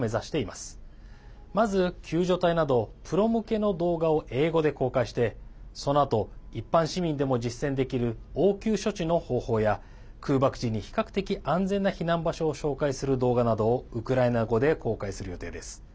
まず、救助隊などプロ向けの動画を英語で公開してそのあと一般市民でも実践できる応急処置の方法や空爆時に比較的安全な避難場所を紹介する動画などをウクライナ語で公開する予定です。